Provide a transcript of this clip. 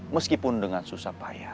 meskipun dengan susah payah